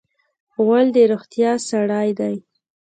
غول د روغتیا سړی دی.